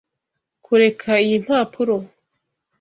Kureka iyi mpapuro.